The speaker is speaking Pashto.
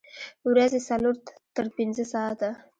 ورځې څلور تر پنځه ساعته